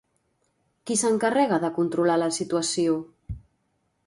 Qui s'encarrega de controlar la situació?